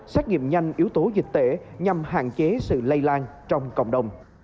xét nghiệm nhanh yếu tố dịch tễ nhằm hạn chế sự lây lan trong cộng đồng